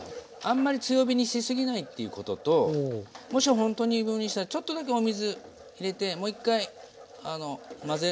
あんまり強火にし過ぎないっていうことともしほんとに分離したらちょっとだけお水入れてもう１回よく混ぜれば。